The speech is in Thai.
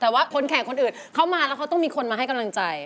แต่ว่าคนแข่งคนอื่นเข้ามาแล้วเขาต้องมีคนมาให้กำลังใจ